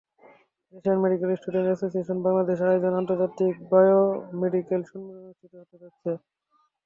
Asian medical students association বাংলাদেশের আয়োজনে আন্তর্জাতিক বায়োমেডিক্যাল সম্মেলন অনুষ্ঠিত হতে যাচ্ছে।